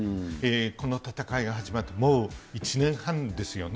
この戦いが始まってもう１年半ですよね。